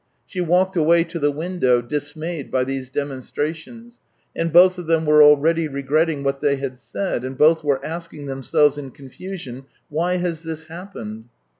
... She walked away to the window, dismayed by these demonstrations, and both of them were already regretting what they had said and both were asking themselves in confusion: " Why has this happened